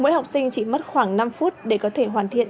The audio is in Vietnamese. mỗi học sinh chỉ mất khoảng năm phút để có thể hoàn thiện